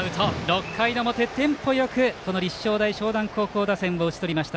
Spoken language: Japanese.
６回の表、テンポよく立正大淞南高校打線を打ち取りました。